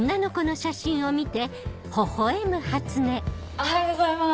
おはようございます。